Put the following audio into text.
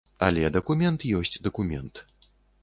Але дакумент ёсць дакумент.